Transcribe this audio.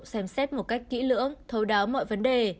xem xét một cách kỹ lưỡng thấu đáo mọi vấn đề